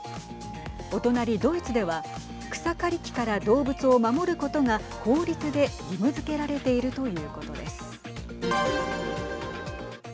お隣ドイツでは草刈り機から動物を守ることが法律で義務づけられているということです。